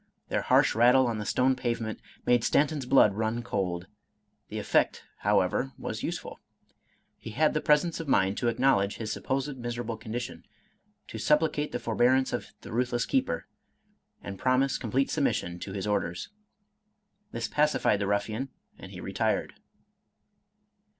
Their harsh rattle on the stone pavement made Stanton's blood run cold; the effect, however, was useful. He had the presence of mind to ac knowledge his (supposed) miserable condition, to supplicate the forbearance of the ruthless keeper, and promise com plete submission to his orders. This pacified the ruffian, and he retired.